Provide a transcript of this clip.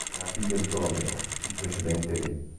Era figlio di Tolomeo, il precedente re.